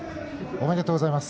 おめでとうございます。